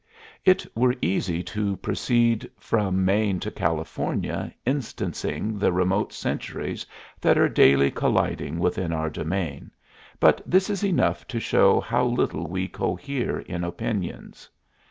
It were easy to proceed from Maine to California instancing the remote centuries that are daily colliding within our domain, but this is enough to show how little we cohere in opinions.